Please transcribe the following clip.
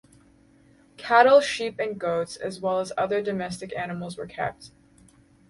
Cattle, sheep, and goats, as well as other domestic animals were kept.